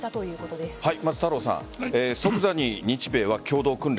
まず太郎さん即座に日米は共同訓練